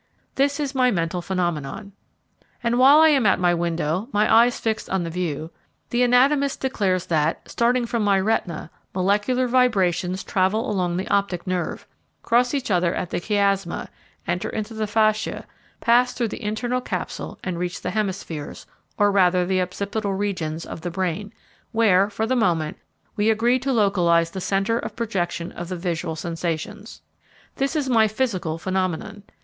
This is my mental phenomenon. And while I am at my window, my eyes fixed on the view, the anatomist declares that, starting from my retina, molecular vibrations travel along the optic nerve, cross each other at the chiasma, enter into the fascia, pass through the internal capsule and reach the hemispheres, or rather the occipital regions, of the brain, where, for the moment, we agree to localise the centre of projection of the visual sensations. This is my physical phenomenon.